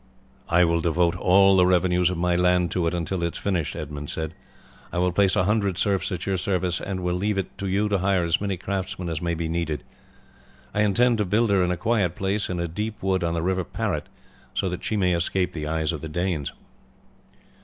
"I will devote all the revenues of my land to it until it is finished," Edmund said. "I will place a hundred serfs at your service, and will leave it to you to hire as many craftsmen as may be needed. I intend to build her in a quiet place in a deep wood on the river Parrot, so that she may escape the eyes of the Danes."